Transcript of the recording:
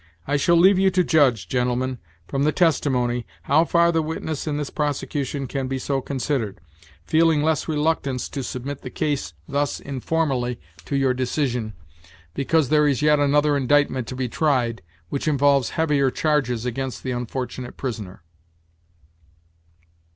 I shall leave you to judge, gentlemen, from the testimony, how far the witness in this prosecution can be so considered, feeling less reluctance to submit the case thus informally to your decision, because there is yet another indictment to be tried, which involves heavier charges against the unfortunate prisoner."